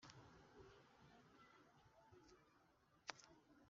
n inshingano za buri Komisiyo uko zikora